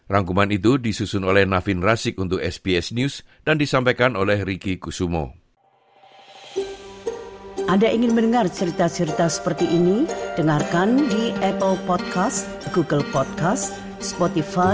rangkuman itu disusun oleh nafin rasik untuk sbs news dan disampaikan oleh riki kusumo